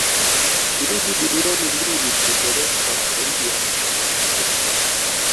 Shilingi bilioni mbili zimetolewa kwa zaidi ya wanawake elfu tatu